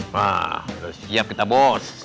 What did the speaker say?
wah siap kita bos